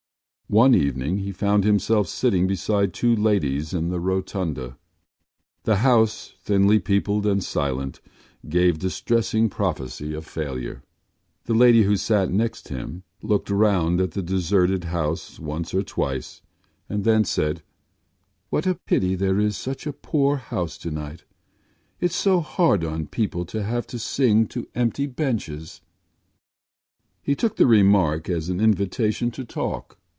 One evening he found himself sitting beside two ladies in the Rotunda. The house, thinly peopled and silent, gave distressing prophecy of failure. The lady who sat next him looked round at the deserted house once or twice and then said: “What a pity there is such a poor house tonight! It’s so hard on people to have to sing to empty benches.” He took the remark as an invitation to talk.